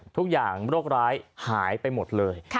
ทุกอย่างโรคร้ายหายไปหมดเลย